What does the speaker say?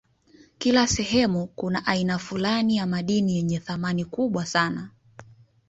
Kila sehemu kuna aina fulani ya madini yenye thamani kubwa sana